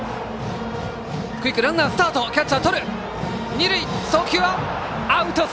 二塁送球はアウト！